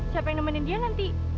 siapa yang nemenin dia nanti